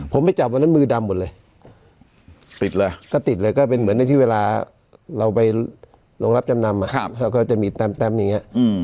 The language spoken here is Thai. ผมไปเจอวันนั้นมือดำหมดเลย